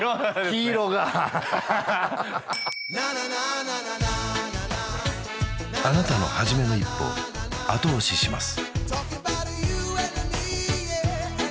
黄色があなたの初めの一歩後押しします